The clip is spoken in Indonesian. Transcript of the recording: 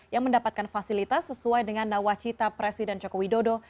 yang mendapatkan fasilitas sesuai dengan nawacita presiden joko widodo